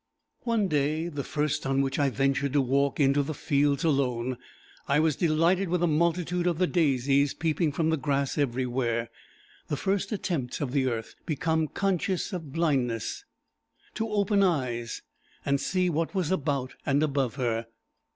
One day, the first on which I ventured to walk into the fields alone, I was delighted with the multitude of the daisies peeping from the grass everywhere the first attempts of the earth, become conscious of blindness, to open eyes, and see what was about and above her.